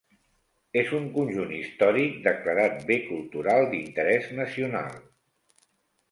És un conjunt històric declarat bé cultural d'interès nacional.